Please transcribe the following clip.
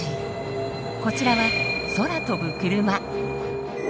こちらは空飛ぶクルマ。